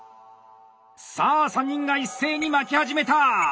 さあ３人が一斉に巻き始めた！